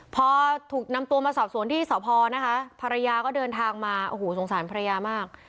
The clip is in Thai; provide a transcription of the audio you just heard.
พอถูกนำตัวมาสอบสวนที่สพนะคะภรรยาก็เดินทางมาโอ้โหสงสารภรรยามาก